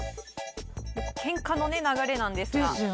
ケンカの流れなんですが。